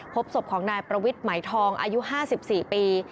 พบศพของนายประวิทย์ไหมทองอายุ๕๔ปี